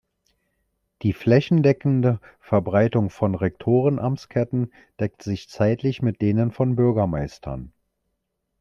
Die flächendeckende Verbreitung von Rektoren-Amtsketten deckt sich zeitlich mit denen von Bürgermeistern.